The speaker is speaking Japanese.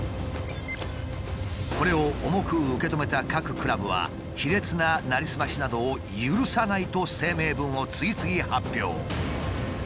これを重く受け止めた各クラブは「卑劣ななりすましなどを許さない」と声明文を次々発表。